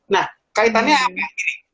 nah kaitannya apa ya